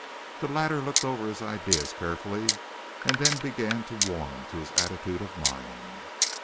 The latter looked over his ideas carefully and then began to warm to his attitude of mind.